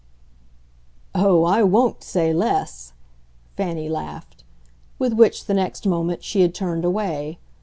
"Oh, I WON'T say less!" Fanny laughed; with which, the next moment, she had turned away.